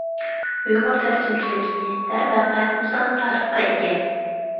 ئۇيغۇر تەرجىمىچىلىكى، دەرۋەقە، ئۇزاق تارىخقا ئىگە.